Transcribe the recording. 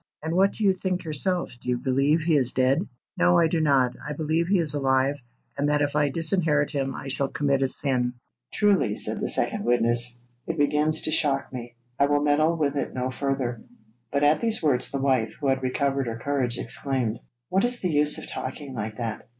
'And what do you think yourself? Do you believe he is dead?' 'No; I do not. I believe he is alive, and that if I disinherit him I shall commit a sin.' 'Truly,' said the second witness; 'it begins to shock me. I will meddle with it no further.' But at these words the wife, who had recovered her courage, exclaimed: 'What is the use of talking like that?